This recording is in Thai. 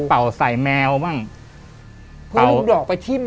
เป่าใส่แมวบ้างเพื่อเอาดอกไปทิ้ม